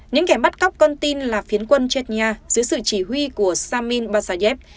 những kẻ bắt cóc con tin là phiến quân chết nhà dưới sự chỉ huy của samin basayev